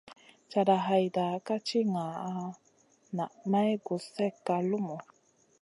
Cata hayta ka ti ŋaʼa naa may gus slèkka lumuʼu.